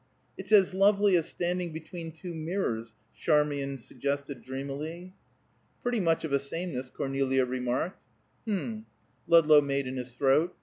"It's as lovely as standing between two mirrors," Charmian suggested dreamily. "Pretty much of a sameness," Cornelia remarked. "Mm," Ludlow made in his throat.